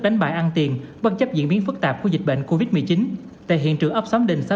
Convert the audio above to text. đánh bạc an tiền bất chấp diễn biến phức tạp của dịch bệnh covid một mươi chín tại hiện trường ấp xóm đỉnh xã